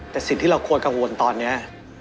แต่สิ่งที่เราควรกังวลตอนนี้